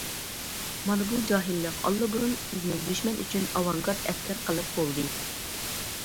مانا بۇ جاھىللىق ئاللىبۇرۇن سىزنى دۈشمەن ئۈچۈن ئاۋانگارت ئەسكەر قىلىپ بولدى.